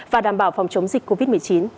và đảm bảo phòng chống dịch covid một mươi chín